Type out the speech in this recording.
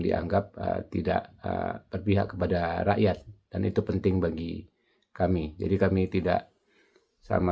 dianggap tidak berpihak kepada rakyat dan itu penting bagi kami jadi kami tidak sama